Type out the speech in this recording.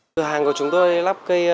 cửa hàng của chúng tôi lắp cây